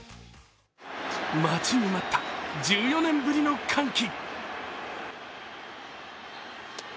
待ちに待った１４年ぶりの歓喜。